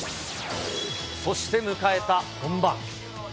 そして迎えた本番。